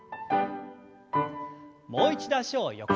もう一度脚を横に。